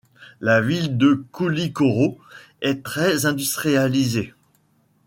La ville de Koulikoro est très industrialisée.